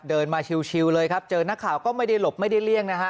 เดินมาชิวเลยครับเจอนักข่าวก็ไม่ได้หลบไม่ได้เลี่ยงนะฮะ